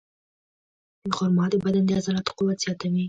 خرما د بدن د عضلاتو قوت زیاتوي.